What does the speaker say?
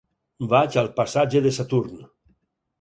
Vaig al passatge de Saturn.